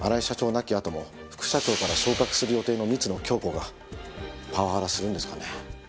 亡きあとも副社長から昇格する予定の光野響子がパワハラするんですかね？